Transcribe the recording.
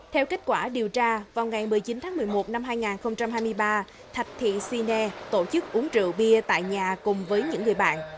theo kết quả điều tra vào ngày một mươi chín tháng một mươi một năm hai nghìn hai mươi ba thạch thị sine tổ chức uống rượu bia tại nhà cùng với những người bạn